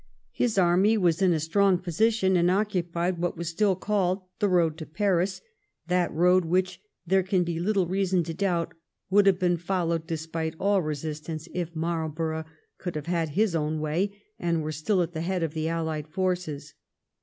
His army was in a strong position, and occupied what was still called the road to Paris, that road which, there can be Uttle reason to doubt, would have been followed despite all resistance if Marl borough could have had his own way and were still at the head of the allied forces.